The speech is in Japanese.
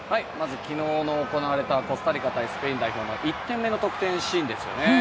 昨日行われたコスタリカ対スペインの１点目の得点シーンですね。